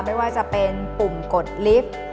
ไม่ว่าจะเป็นปุ่มกดลิฟต์